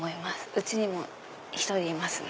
うちにも１人いますね。